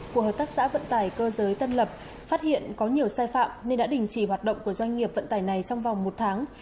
của hợp tác xã vận tải cơ giới tân lập phát hiện có nhiều sai phạm nên đã đình chỉ hoạt động của doanh nghiệp vận tải này trong vòng một tháng